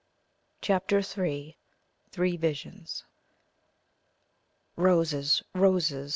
CHAPTER III. THREE VISIONS. Roses, roses!